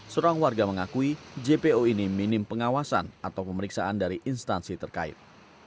seorang warga mengakui jpo ini minim pengawasan atau pemeriksaan dari instansi terkait